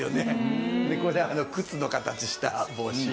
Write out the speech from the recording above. これ靴の形した帽子。